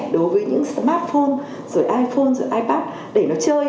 đối với những smartphone rồi iphone rồi ipad để nó chơi